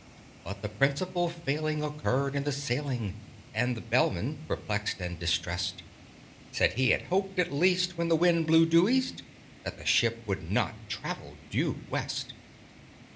But the principal failing occurred in the sailing, And the Bellman, perplexed and distressed, Said he had hoped, at least, when the wind blew due East, That the ship would not travel due West!